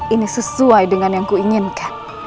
ini sesuai dengan yang kuinginkan